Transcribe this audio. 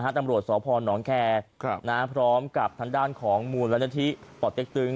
ก็มาฮะตำรวจสพหนองแคพร้อมกับทางด้านของมูรรณทิปเต๊กตึง